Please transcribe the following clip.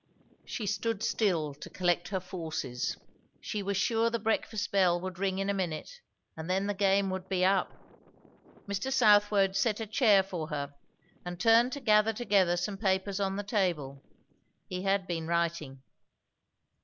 She stood still to collect her forces. She was sure the breakfast bell would ring in a minute, and then the game would be up. Mr. Southwode set a chair for her, and turned to gather together some papers on the table; he had been writing.